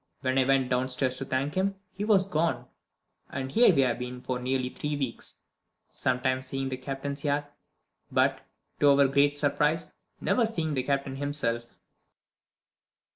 When I went downstairs to thank him, he was gone and here we have been for nearly three weeks; sometimes seeing the Captain's yacht, but, to our great surprise, never seeing the Captain himself."